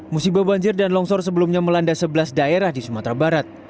musibah banjir dan longsor sebelumnya melanda sebelas daerah di sumatera barat